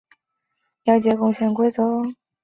贝费尔斯特是德国下萨克森州的一个市镇。